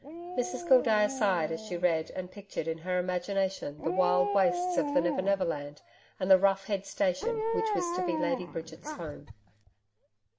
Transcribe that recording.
Mrs Gildea sighed as she read, and pictured in her imagination the wild wastes of the Never Never Land and the rough head station which was to be Lady Bridget's home.